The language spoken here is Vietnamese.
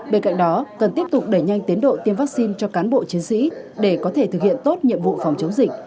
bên cạnh đó cần tiếp tục đẩy nhanh tiến độ tiêm vaccine cho cán bộ chiến sĩ để có thể thực hiện tốt nhiệm vụ phòng chống dịch